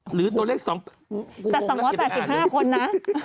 หรือตัวเลข๒๘๕กูโกรธแล้วคิดได้อ่านเลยโอ้โหแต่๒๘๕คนนะ